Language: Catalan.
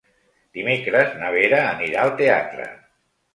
Dimecres na Vera anirà al teatre.